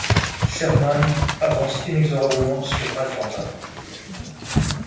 Sherman avance inexorablement sur Atlanta.